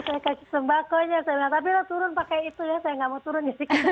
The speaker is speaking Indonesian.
saya kasih sembakonya saya bilang tapi udah turun pakai itu ya saya nggak mau turun isi